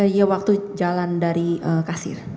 iya waktu jalan dari kasir